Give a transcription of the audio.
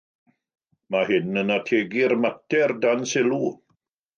Mae hyn yn ategu'r mater dan sylw.